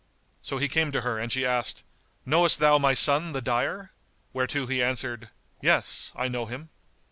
So he came to her and she asked, "Knowest thou my son the dyer?"; whereto he answered, "Yes, I know him."